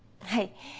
はい。